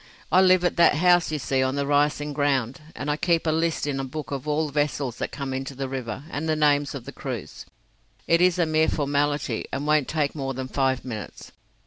I live at that house you see on the rising ground, and I keep a list in a book of all vessels that come into the river, and the names of the crews. It is a mere formality, and won't take more than five minutes.